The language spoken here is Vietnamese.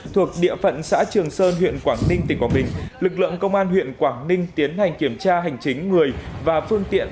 thuộc địa phận xã trường sơn huyện quảng ninh tỉnh quảng bình lực lượng công an huyện quảng ninh tiến hành kiểm tra hành chính người và phương tiện